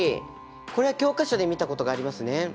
これは教科書で見たことがありますね。